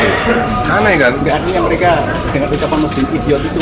gak artinya mereka mereka penguasa idiot itu